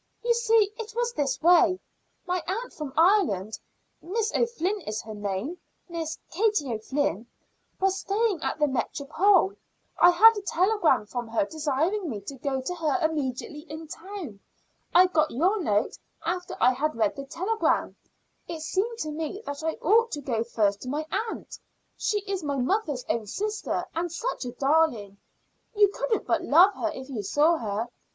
"You see, it was this way. My aunt from Ireland (Miss O'Flynn is her name Miss Katie O'Flynn) was staying at the Métropole. I had a telegram from her desiring me to go to her immediately in town. I got your note after I had read the telegram. It seemed to me that I ought to go first to my aunt. She is my mother's own sister, and such a darling. You couldn't but love her if you saw her.